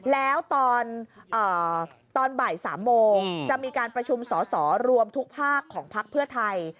แล้วตอนบ่าย๓โมงจะมีการประชุมสอสอรวมทุกภาคของพักเพื่อไทย